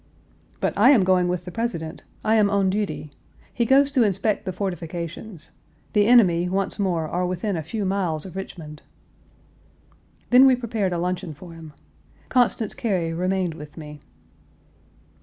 "But I am going with the President. I am on duty. He goes to inspect the fortifications. The enemy, once more, are within a few miles of Richmond." Then we prepared a luncheon for him. Constance Cary remained with me.